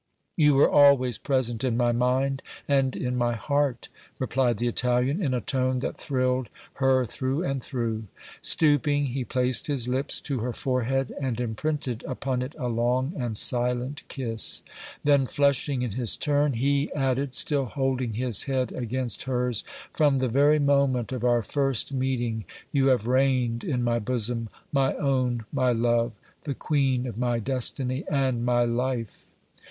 "You were always present in my mind and in my heart," replied the Italian in a tone that thrilled her through and through. Stooping, he placed his lips to her forehead and imprinted upon it a long and silent kiss; then, flushing in his turn, he added, still holding his head against hers: "From the very moment of our first meeting you have reigned in my bosom, my own, my love, the queen of my destiny and my life!"